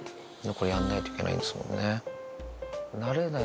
これやんないといけないんですもんね。